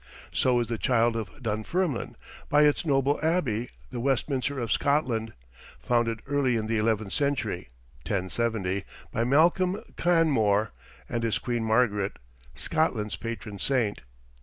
So is the child of Dunfermline, by its noble Abbey, the Westminster of Scotland, founded early in the eleventh century (1070) by Malcolm Canmore and his Queen Margaret, Scotland's patron saint.